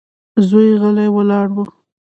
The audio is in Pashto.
زوی يې غلی ولاړ و.